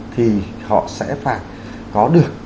thì họ sẽ phải có được